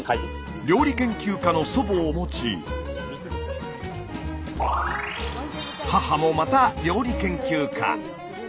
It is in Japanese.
料理研究家の祖母を持ち母もまた料理研究家。